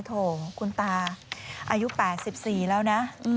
โถคุณตาอายุ๘๔แล้วนะ